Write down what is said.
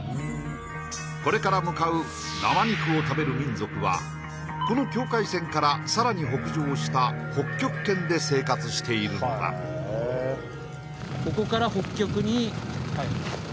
これから向かう生肉を食べる民族はこの境界線からさらに北上した北極圏で生活しているのだ寒いっすね